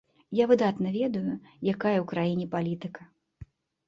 Я выдатна ведаю, якая ў краіне палітыка.